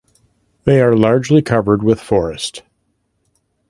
They are largely covered with forest.